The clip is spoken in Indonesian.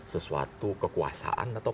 sesuatu kekuasaan atau